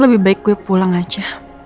lebih baik kue pulang aja